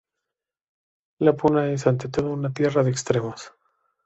La puna es, ante todo, una tierra de extremos.